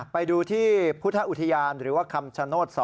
ไปดูที่พุทธอุทยานหรือว่าคำชโนธ๒